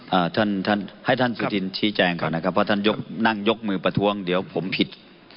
อ่าท่านท่านให้ท่านสุธินชี้แจงก่อนนะครับว่าท่านยกนั่งยกมือประท้วงเดี๋ยวผมผิด